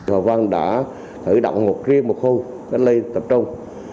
hòa vang đã thử đọng một riêng một khu đến đây tập trung